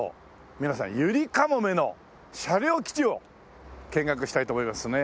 ゆりかもめの車両基地を見学したいと思いますね。